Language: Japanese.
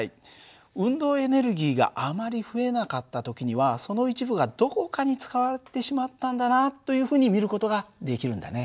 運動エネルギーがあまり増えなかった時にはその一部がどこかに使われてしまったんだなというふうに見る事ができるんだね。